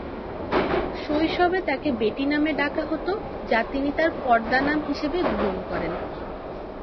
শৈশবে তাকে বেটি নামে ডাকা হত, যা তিনি তার পর্দা নাম হিসেবে গ্রহণ করেন।